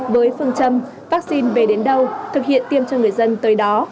với phương châm vaccine về đến đâu thực hiện tiêm cho người dân tới đó